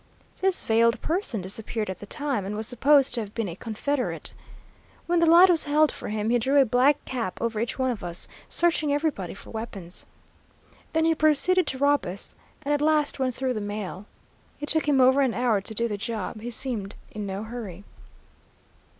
This veiled person disappeared at the time, and was supposed to have been a confederate. When the light was held for him, he drew a black cap over each one of us, searching everybody for weapons. Then he proceeded to rob us, and at last went through the mail. It took him over an hour to do the job; he seemed in no hurry.